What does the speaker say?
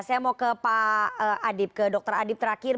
saya mau ke pak adip ke dr adip terakhir